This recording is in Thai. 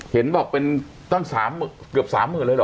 เห็นบอกเป็นตั้ง๓เกือบ๓หมื่นเลยหรอ